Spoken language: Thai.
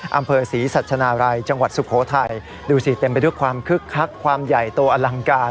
อำเภอศรีสัชนาลัยจังหวัดสุโขทัยดูสิเต็มไปด้วยความคึกคักความใหญ่โตอลังการ